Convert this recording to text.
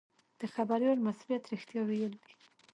د خبریال مسوولیت رښتیا ویل دي.